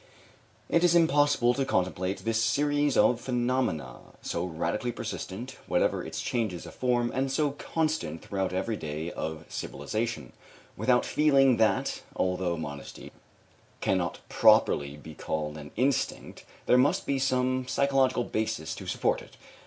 It is impossible to contemplate this series of phenomena, so radically persistent whatever its changes of form, and so constant throughout every stage of civilization, without feeling that, although modesty cannot properly be called an instinct, there must be some physiological basis to support it.